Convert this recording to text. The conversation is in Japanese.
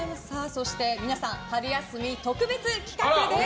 そして皆さん春休み特別企画です。